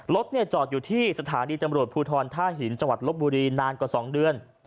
รถจอดอยู่ที่สถานีตำรวจภูทรท่าหินจังหวัดลบบุรีนานกว่า๒เดือน